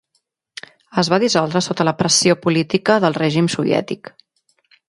Es va dissoldre sota la pressió política del règim soviètic.